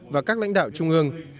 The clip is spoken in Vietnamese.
và các lãnh đạo trung ương